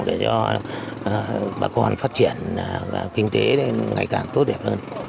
để cho bà con phát triển kinh tế ngày càng tốt đẹp hơn